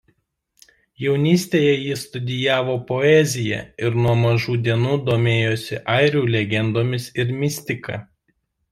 Jaunystėje jis studijavo poeziją ir nuo mažų dienų domėjosi airių legendomis ir mistika.